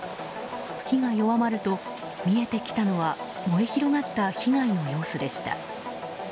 火が弱まると見えてきたのは燃え広がった被害の様子でした。